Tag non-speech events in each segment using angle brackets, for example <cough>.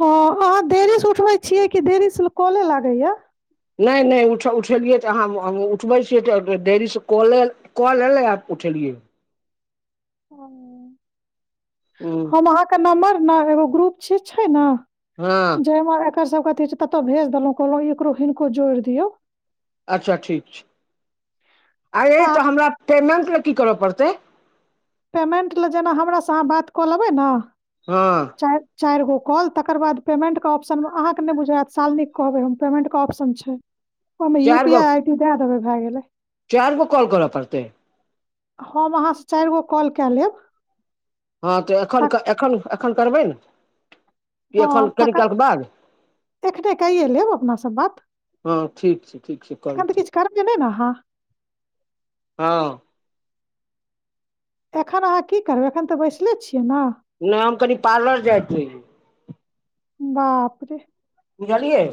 हँ हाँ देरी से उठबै छियै कि देरी से काॅले लागैया नय नय उठ उठेलियै तऽ अहाँ उठबै छियै तऽ देरीसँ काॅले कॉल एलै आप उठेलियै हूँ हम अहाँके नम्बर न एगो ग्रुप छि छै न हँ जामे एकर सब के अथी छै तत भेज देलौ कहलौ एकरो हनको जोड़ि दियो अच्छा ठीक छै आ ये तऽ हमरा पेमेन्ट लए की करऽ पड़तै पेमेन्ट लए जेना हमरास अहाँ बात कऽ लेबै न हँ चारि चारिगो काॅल तकर बाद पेमेन्टके ऑप्शनमे अहाँके नय बुझाएत साल नीक कहबै हम पेमेन्टके ऑप्शन छै ओमे यू चारि पी गो आ आइ टी दए देबै भए गेलै चारि गो कॉल करऽ पड़ते है हम अहाँसँ चारि गो कॉल कए लेब हँ तऽ एखन तक एखन एखन करबै ने कि हँ एखन कनि तकर काल के बाद एखने कए लेब अपनासँ बात हँ ठीक छै ठीक छै करू एखन तऽ किछु करबै नय ने अहाँ हँ एखन अहाँ की करबै एखन तऽ बैसले छियै न नय हम कनि पार्लर जायत रहियै बाप रे बुझलियै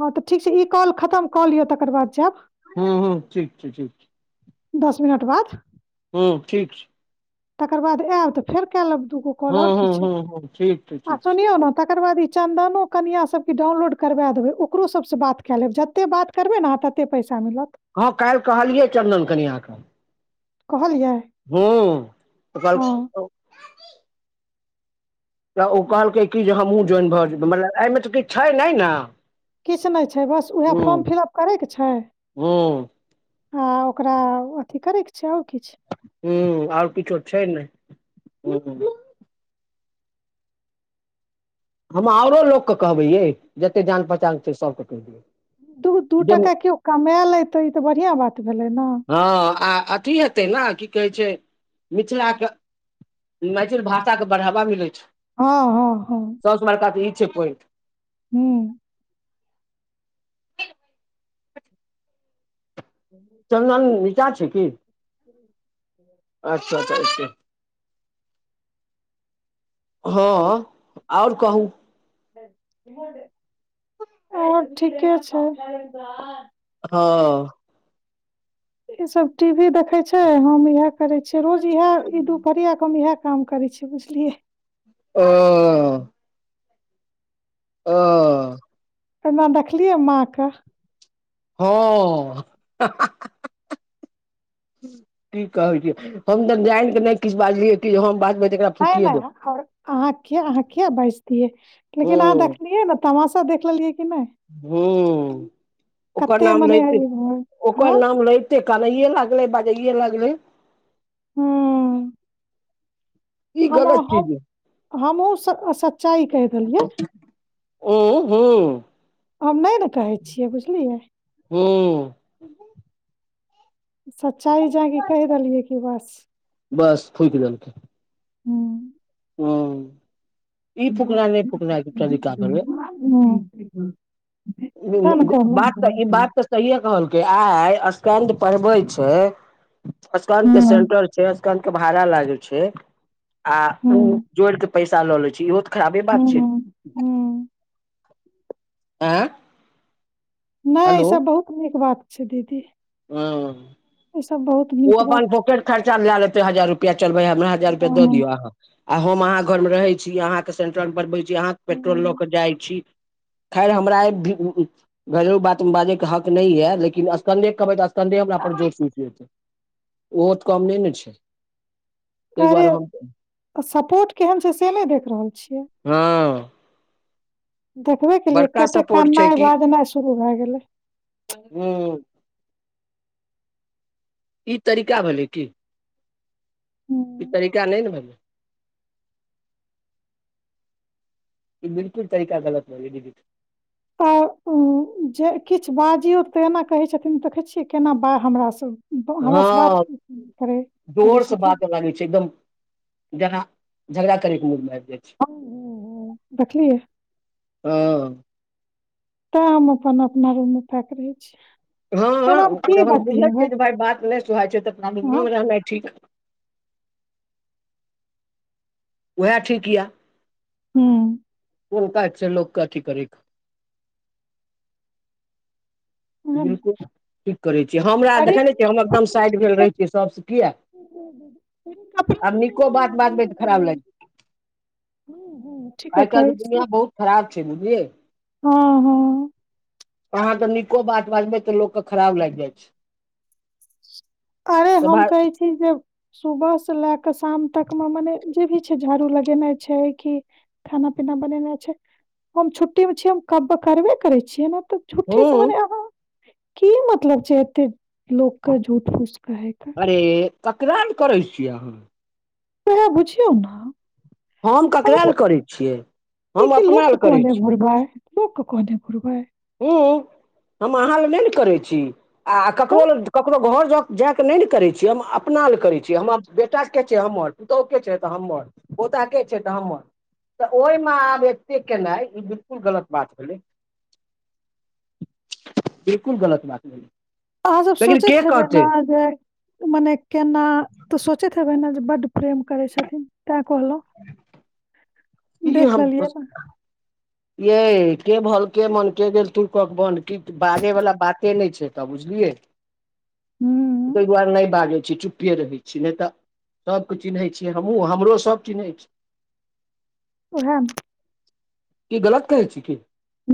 हँ तऽ ठीक छै ई कॉल खतम कऽ लिय तकर बाद जायब हूँ हूँ ठीक छै ठीक छै दस मिनट बाद हूँ ठीक छै तकर बाद आयब तऽ फेर काल्हि लेब दूगो कॉ लेब हूँ आओर हूँ किछै हूँ हूँ ठीक छै आ ठीक छै सुनियौ न तकर बाद ई चन्दनो कनिया सबके डाउनलोड करबा देबै ओकरो सबसँ बात कए लेब जते बात -करबै ने अहाँ तते पैसा मिलत हँ काल्हि कहलियै चन्दन कनिया क कहलियाय हूँ त <unintelligible> तऽ ओ कहलकै कि जे हमहूँ जोइन भऽ जेबै मतलब एहिमे तऽ किछ छै नय न किछु नहि छै बस उएह फर्म फिलअप करय के छै हूँ ओकरा अथी करेके छै आओर किछु ह आओर किछो छै ने हम आओरो लोकके कहबै यै जतेक जान पहचान छै सभके कहि दू दू दियै जे टाका केओ कमा लेतै ई तऽ बढ़िआ बात भेलै ने ह आ अथी हेतै ने की कहै छै मिथिला के मैथिल भाषा के बढ़ावा मिलै छै हँ हँ हँ सौस बड़का तऽ ई छै पोइट हूँ। हूँ। चन्दन नीचा छै कि ह। अच्छा अच्छा अच्छा ह आओर कहू आओर ठीके छै हँ। इ सभ टी वी देखे छै हम इएह करे छी रोज इह ई दुपहरिया के इएह काम करै छै बुझलिय आ। ओ। एना देखलियै माँ के ह। की कहै छै हम तऽ जयन के नहि किछु बाजलियै कि हम बात बैरा। ह नहिर अह अहाँकेँ बाज दियै ओ लेकिन अहाँ देखलियै ने तमाशा देख लेलियै कि नहि। ह ओकर कते नाम मने है लेते इम्हर। ओकर हँ नाम ले कान ये लागल बाजा यै लागल हूँ। ई हम गलत चीज अइ हमहुँ सच्चाई कहू आ हू हम नहि ने कहै छियै बुझलियै। हू। सच्चाइ जाकि कहि देलियै कि बस। बस फुक जनते हू। ह। हू के तरीका भेलै बात ई बात से कहलक आ स्कद पढ़वे छै स्कद के हुँ, सेटर जकल के भाड़ा लागे छै ओ हुँ, जोड़ के पैसा ल ले छै इहो खराबे बात छै हुँ, हुँ। आ नहि ई सभ बहुत नीक बात छै दीदी। ह ई सब बहुत ओ नीक बात प छै। खर्चा लेत हजारुपआलबै हमरा हजार रुपआ हँ। दियआ आहा आ हम अहाँ घरमे रहैत छी अहाँकेँ सेंटरल बनबैत छी अहाँकेँ पेट्रोल लऽ हुँ, कऽ जाइत छी खैर हमरा घरेलू बात बाजैके हक नहि यऽ लेकिन स्कंदे बैे हमरा जोतूचतै ओहो तऽ कम नहि ने छै ताहि अरे दुआरे हम आ सपोर्ट केहन छै से नहि देख रहल छियै हँ देखबे केलिए बड़का कते सपोर्ट छै करनाइ कि बाजनाइ शुरू भए गेलै हूँ ई तरीका भेलै की ई हुँ। तरीका नय ने भेलै <inaudible> ई बिल्कुल तरीका गलत भेलै दीदी तऽ जे किछु बाजियौ तऽ एना कहै छथिन देखै छियै केना बा हमरा सँ हँ करै जोरसँ छथिन। बात लागै छै एकदम जेहना झगड़ा करै के मूडमे आबि जाइ छै हम देखलियै हँ तैं हम अपन अपना रूम मे पैक रहै छी एनामे हँ की जन बुझै बतियेबै छियै जे भाय बात नहि सुहाय छै तऽ रूमेमे आँय रहनाइ ठीक उएह ठीक ये हूँ। बलक छै लोक के अथि करै बिलकुल कठीक करैत छी हमरा अरे देखैने छियै हम एकदम साइड भेल रहै छियै सभसँ किए। आब निको बात बाजबै तऽ खराब लागि जेतै। ठीके आइ काल्हि कहै के छी दुनियाँ बहुत खराब छै बुझलियै। हँ हँ। अहाँ तऽ नीको बात बाजबै तऽ लोकके खराब लागि जाइ छै। अरे तऽ हम भाय कहै छी जे सुबह से लए कऽ शाम तक मे मने जे भी छै झाड़ू लगेनाइ छै कि खाना पीना बनेनाइ छै हम छुट्टी मे छियै हम कब करबे करै छियै ने तऽ झूठे हूँ समय आहाँ की मतलब छै एते लोक के झूठ फूस कहै के अरे ककरामे करै छियै अहाँ। सैहे बुझियौ ने। हम ककरा लए मतलब करै छियै ई हम कि अपना लोक के लए करै कहने छियै। घुरबै लोक कऽ कहने घुरबै। हँ हम अहाँ ल नहि ने करैत छी आ ककरो ल ककरो घर ज जाय के नहि ने करे छी हम अपना ले करे छी हमर बेटा छै हमर पुतौह के छै तऽ हमर पोता के छै तऽ हमर तऽ ओहिमे आब एते केनाइ ई बिल्कुल गलत बात भेलै। बिल्कुल गलत बात भेलै। अहाँ सब लेकिन सोचैत के हेबै ने कहतै जे मने केना तऽ सोचैत हेबै ने जे बड्ड प्रेम करै छथिन तेँ कहलौं। की हम <unintelligible> यै के भल के मन के गेल तू कक बन कीक बाजै वला बाते नय छै। तऽ बुझलियै तै हूँ दुआरे नय बाज छै चुप्पे रहै छी नैतऽ सभके चिन्है छियै हमहूँ हमरो सभ चिन्है छै। उहे न। की गलत कहै छी की।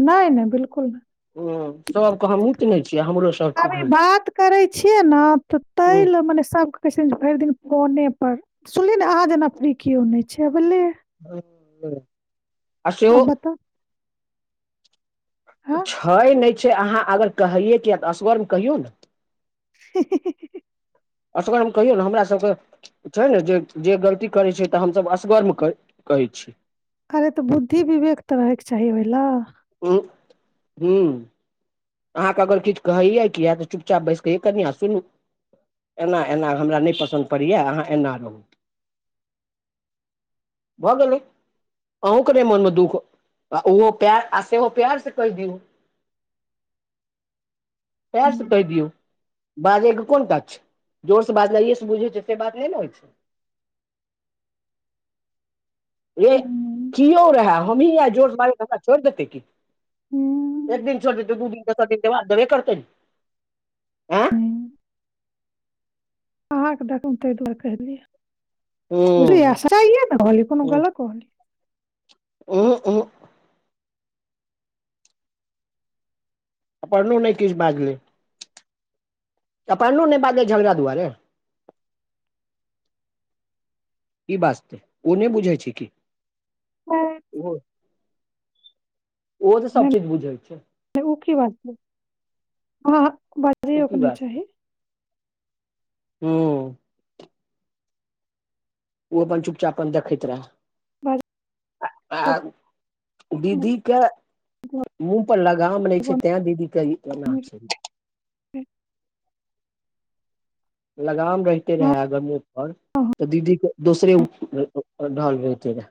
नहि नहि बिल्कूल ह नहि। सभके हमहूँ तऽ हमरो अभी होइ बात करै छियै ने तऽ ताहि लऽ मने सभ कहै भरि दिन फोने पर सुनली ने अहा जे नफरी केओ नहि छै बोझलै। <inaudible> आ सेहो आब त हँ छै नहि छै अहा अगर कहैयै किए तऽ असगरमे कहियौ ने। ही ही अग हम कहियौ ने हमरा सभके। छै ने जे जे गलती करैत छै तऽ हमसभ असगर्म कहैत छी। अरे तऽ बुद्धि विवेक तऽ रहैके चाही ओहि ल ह अहाँके अगर किछ कहैयए किए तऽ चुपचाप बस कऽ कनिआँ सुनू। एना एना हमरा नहि पसन्द पड़ैए अहा एना रहू। भऽ गेलै अहूँ के मन दुख ओहो प्यार आ सेहो प्यार से कहि दियौ। प्यार त हूँ, दियऔ। बाजैके कोन काज छै जोर से बाजना बुझै छै से बात नहि ने होई छै रे हूँ, किो रहै हमही आ जोरसँ मारे का छोड़ि देतै की। हू एक दिन छोट त दिन त छै दिनऽ बध धब्य करतै। आँय अहाँकेँ देखू ता दुआरे कहलिय बुझ हूं सा ने होली कोनो गलत होली उ हू अपनो नहि किछु बाजलै अपो नहि बाजलै झगड़ा दुआरे। कि बाजते ओ नहि बुझै छै कि नहि ओ ओहो तऽ सभ चीज बुझैत छै ओ कि बाज हैं बाज ओ की नहि चाही हू ओ अपन चुपचाप अपन देखैत रहे ब। आ दीदी के मुँह पर लगाम नै छै त्य दीदी कऽ केना छै ह। लगाम रहते रहे आगरी आओर तऽ दीदी के दोसरे रहलढ रहते रहे।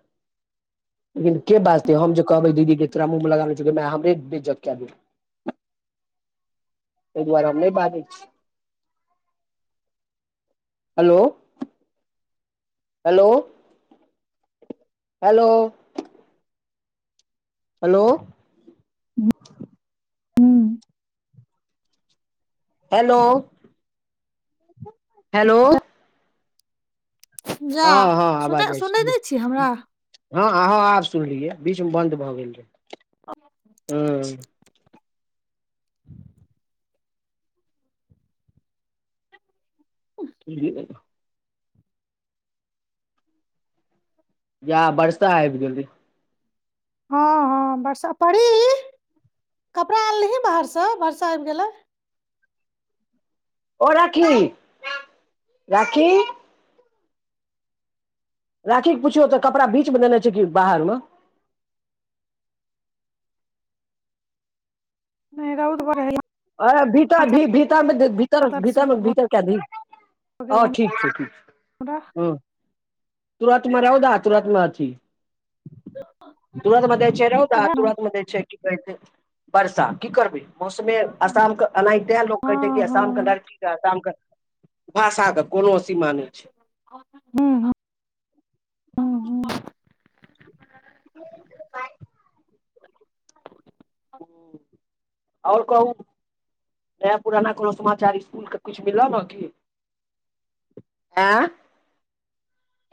लेकिन के बातते हम जे कहबै दीदी के तोरा मुँह लगाने छौाय हमरे बेज्जत कए द। तहि दुआरे हम नहि बाजै छै हेलो। Hello hello. हेलो। हू हेलो। हेलो। जा ह ह सुनै आवाज जाए सुनै छै नहि छी हमरा हँ अह आब सुनलियै बीचमे बन्द भऽ गेल रहै ह। ज जा बरसा है भी जल्दी ह ह बर्षा पी कपड़ा आनलही बाहरसँ वर्षा आबि गेलै ओ राखी राखी। राखी के पुछियौ तऽ कपड़ा बच मे देने छै कि बाहर मे नहि रौउद बड़ रहै अ भीता भी भीता मे भर दर्द शुरू भीतर भऽ भीतर कऽ दी गेल ओ ठीक छै ठीक छै हमरा ह तुरत मे रहौ द तुरत मे छी तुरत मध रहौ त उएह ने तुरत म छै कि कहै छै वर्षा की करबै मौसमे आसाम के एनाहि ते लोक कहै छै हँ कि आसाम के हँ लड़की के आसाम के भाषा के कोनो असीमा नहि छै। ह ह ह बाय। <inaudible> आर कहू ना पुराना कोनो समाचार इसकुल के मिलल ने की ह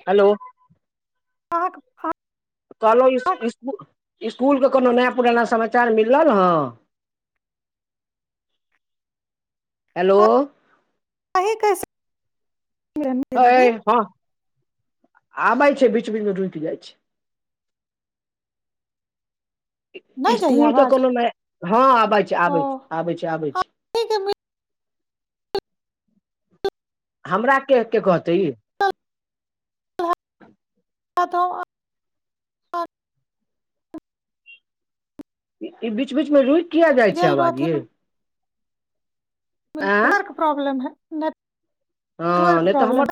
हेलो आ। कहलहु इसकुलके कोनो नया पुराना समाचार मिलल हँ <inaudible> हेलो। अहि अहि मे आबैय छैय बीच बीच मे रुकि जाय छै नहि जाइय इसकूल के आवाज कोनो ह आबे छै ओ आबे छै आबे छै आबे छै <unintelligible> हमरा के कहतै ई त त इ बीच बीच मे रुकि किये जाय छै गेल आवाज य रहथिन आँ नेटवर्क प्रॉब्लेम है हँ नेटवर्क नहि तऽ प्रॉब्लम हमर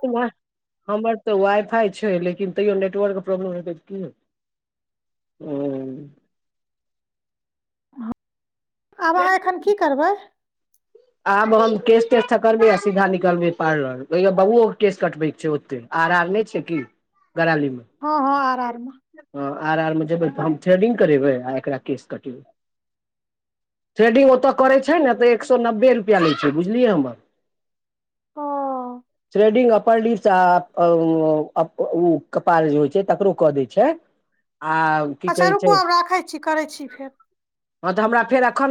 हमर त वाइ फाई छै लेकिन तैयो नेटवर्क के प्रॉब्लम हेतै तऽ की हेतै हु आब अहाँ एखन कि करबैय आब हम केश तेश थकड़बइ आ सीधा निकलबै पार्लर ओतैहे बौओ के केश कटबै के छै ओतय आर नहि छैय कि कराली मे ह ह आर आरमे हँ आर आर मे जेबै तऽ हम थ्रेडिग करेबै आ एकरा केस कटेबैय थ्रेडिग ओतय करय छैय ने तऽ एक सौ ने बे रुपआ लै छै बुझलिही हमर ओ थ्रेडिग उपर नीचा अउ कपार जे होय छैय तकरो कऽ दैय छैय। अच्छा रुकू आब राखय छी करय छी फेर। हँ त हमरा फेर अखन